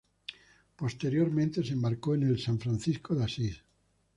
Posteriormente, se embarcó en el San Francisco de Asís.